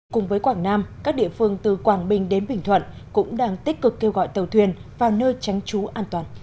cùng với quảng nam các địa phương từ quảng bình đến bình thuận cũng đang tích cực kêu gọi tàu thuyền vào nơi tránh trú an toàn